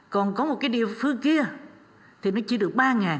còn có một cái địa phương kia thì nó chia được ba